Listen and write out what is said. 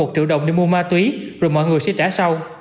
một triệu đồng để mua ma túy rồi mọi người sẽ trả sau